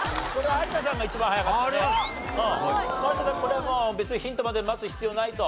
有田さんこれはもう別にヒントまで待つ必要ないと？